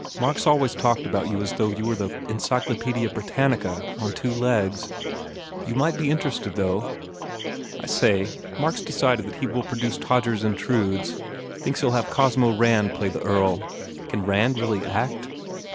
Mark s always talked about you as though you were the Encyclopaedia Brittanica on two legs. You might be interested, though. I say, Mark s 194 COSMO RAND decided that he will produce Todgers Intrudes. Thinks he ll have Cosmo Rand play the Earl. Can Rand really act?"